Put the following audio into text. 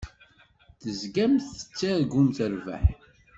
Tezgamt tettargumt rrbeḥ.